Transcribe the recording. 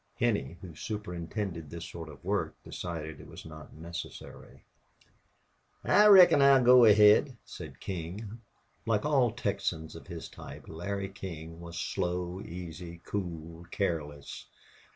Henney, who superintended this sort of work, decided it was not necessary. "I reckon I'll go ahaid," said King. Like all Texans of his type, Larry King was slow, easy, cool, careless.